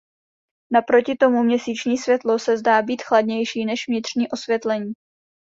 Naproti tomu měsíční světlo se zdá být "chladnější" než vnitřní osvětlení.